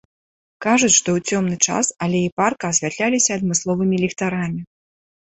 Кажуць, што ў цёмны час алеі парка асвятляліся адмысловымі ліхтарамі.